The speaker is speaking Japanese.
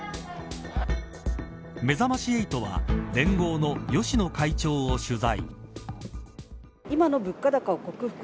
めざまし８は連合の芳野会長を取材。